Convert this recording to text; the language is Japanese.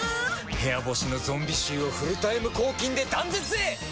部屋干しのゾンビ臭をフルタイム抗菌で断絶へ！